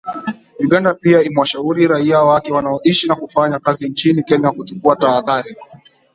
Uganda pia imewashauri raia wake wanaoishi na kufanya kazi nchini Kenya kuchukua tahadhari